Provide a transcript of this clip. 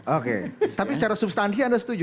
oke tapi secara substansi anda setuju